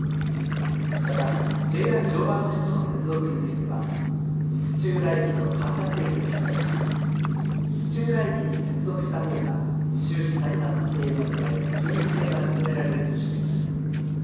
またＪＲ常磐線との接続については土浦駅と神立駅を比較し土浦駅に接続したほうが収支採算性などで優位性が認められるとしています。